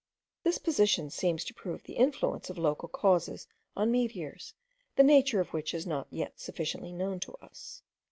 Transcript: This position seems to prove the influence of local causes on meteors, the nature of which is not yet sufficiently known to us.